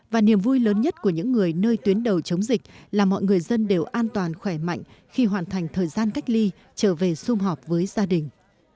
và niềm vui lớn nhất của những người nơi tuyến đầu chống dịch là mọi người dân đều an toàn khỏe mạnh khi hoàn thành thời gian cách ly trở về xung họp với gia đình